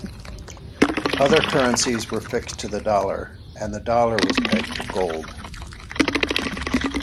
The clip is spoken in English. Other currencies were fixed to the dollar, and the dollar was pegged to gold.